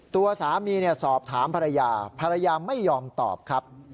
ตัวสามีสอบถามภรรยาภรรยาไม่ยอมตอบครับ